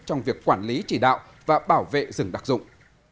trong việc quản lý chỉ đạo và bảo vệ rừng đặc dụng